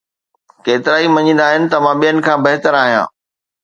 ڪيترائي مڃيندا آھن ته مان ٻين کان بھتر آھيان